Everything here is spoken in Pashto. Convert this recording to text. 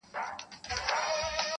چي سیالي وي د قلم خو نه د تورو,